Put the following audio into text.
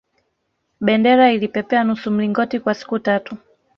bendera ilipepea nusu mlingoti kwa siku tatu